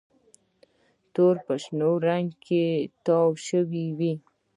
توري په شنه رنګ کې تاو شوي وو